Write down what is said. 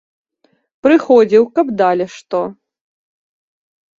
Прыходзіў, каб далі што.